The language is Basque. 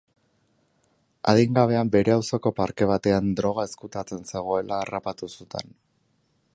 Adingabea bere auzoko parke batean droga ezkutatzen zegoela harrapatu zuten.